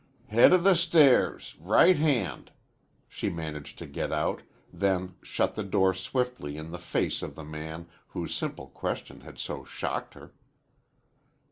"Head o' the stairs right hand," she managed to get out, then shut the door swiftly in the face of the man whose simple question had so shocked her.